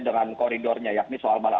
dengan koridornya yakni soal